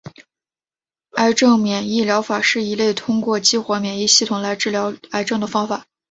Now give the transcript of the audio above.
癌症免疫疗法是一类通过激活免疫系统来治疗癌症的方法。